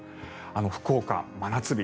福岡、真夏日。